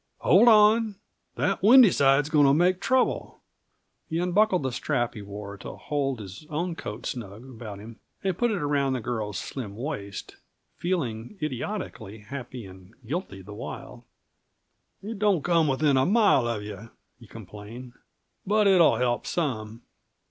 "Hold on! That windy side's going to make trouble." He unbuckled the strap he wore to hold his own coat snug about him, and put it around the girl's slim waist, feeling idiotically happy and guilty the while. "It don't come within a mile of you," he complained; "but it'll help some."